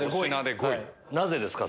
なぜですか？